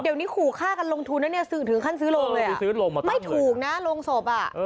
เดี๋ยวนี้ขูฆ่ากับลงทุนแล้วสึกถึงขั้นซื้อโรงไม่ถูกนะโรงศพ